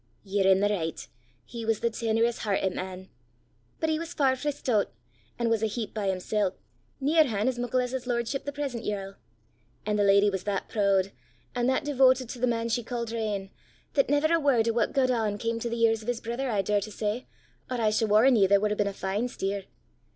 "Ye're i' the richt! He was the ten'erest heartit man! But he was far frae stoot, an' was a heap by himsel', nearhan' as mickle as his lordship the present yerl. An' the lady was that prood, an' that dewotit to the man she ca'd her ain, that never a word o' what gaed on cam to the ears o' his brither, I daur to say, or I s' warran' ye there wud hae been a fine steer!